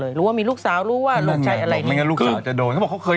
โอ้ยเขารู้หมดเลย